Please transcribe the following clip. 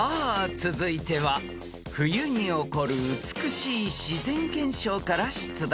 続いては冬に起こる美しい自然現象から出題］